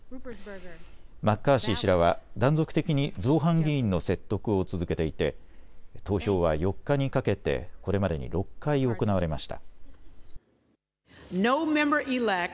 マッカーシー氏らは断続的に造反議員の説得を続けていて投票は４日にかけてこれまでに６回、行われました。